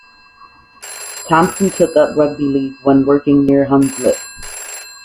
Thompson took up rugby league when working near Hunslet.